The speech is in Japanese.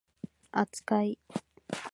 扱い